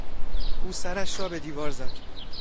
او سرش را به دیوار زد.